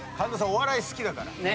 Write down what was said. お笑い好きだから。